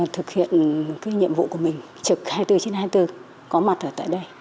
thực hiện cái nhiệm vụ của mình trực hai mươi bốn trên hai mươi bốn có mặt ở tại đây